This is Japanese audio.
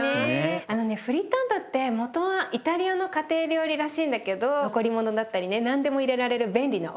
あのねフリッタータってもとはイタリアの家庭料理らしいんだけど残り物だったりね何でも入れられる便利なオムレツみたいな感じで。